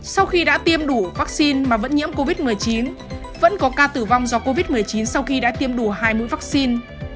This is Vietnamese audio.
sau khi đã tiêm đủ vắc xin mà vẫn nhiễm covid một mươi chín vẫn có ca tử vong do covid một mươi chín sau khi đã tiêm đủ hai mũi vắc xin